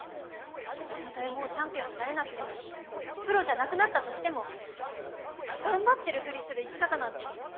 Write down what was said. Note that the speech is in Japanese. たとえもうチャンピオンになれなくてもプロじゃなくなったとしても頑張ってるフリする生き方なんてかっこ悪いですよ！